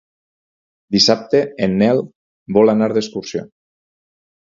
Dissabte en Nel vol anar d'excursió.